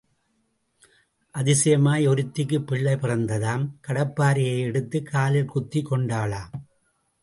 அதிசயமாய் ஒருத்திக்குப் பிள்ளை பிறந்ததாம், கடப்பாரையை எடுத்துக் காலில் குத்திக் கொண்டாளாம்.